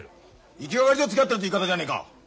行きがかり上つきあってるって言い方じゃねえか。